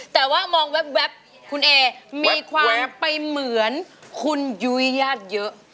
แต่ว่ามองแว๊บคุณเอมีความไปเหมือนคุณยุ้ยญาติเยอะ